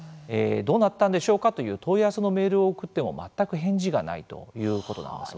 どうなったんでしょうか？という問い合わせのメールを送っても全く返事がないということなんです。